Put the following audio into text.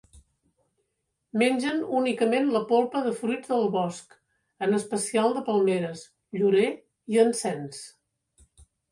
Mengen únicament la polpa de fruits del bosc, en especial de palmeres, llorer i encens.